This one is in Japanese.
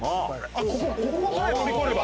ここさえ乗り越えれば。